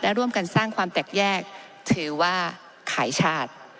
และร่วมกันสร้างความแตกแยกถือว่าขายชาติ